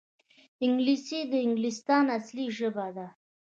انګلیسي د انګلستان اصلي ژبه ده